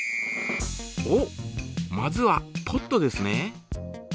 おっまずはポットですね。